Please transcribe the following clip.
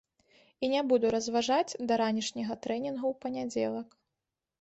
І не буду разважаць да ранішняга трэнінгу ў панядзелак.